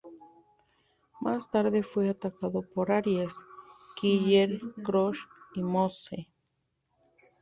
Más tarde fue atacado por Aries, Killer Kross y Moose.